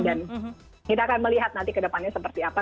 dan kita akan melihat nanti kedepannya seperti apa